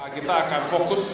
kita akan fokus